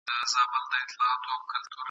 د سیلیو له کوګله زما آواز که در رسیږي !.